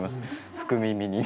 福耳に。